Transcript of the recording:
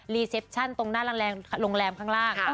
เซปชั่นตรงหน้าโรงแรมข้างล่าง